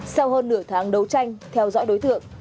sau hơn nửa tháng đấu tranh theo dõi đối tượng